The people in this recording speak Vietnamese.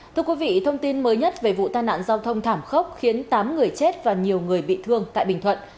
thưa quý vị thông tin mới nhất về vụ tai nạn giao thông thảm khốc khiến tám người chết và nhiều người bị thương tại bình thuận